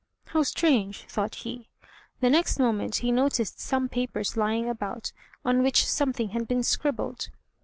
"How strange!" thought he. The next moment he noticed some papers lying about, on which something had been scribbled.